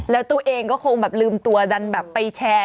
แล้วตัวเองก็คงแบบลืมตัวดันแบบไปแชร์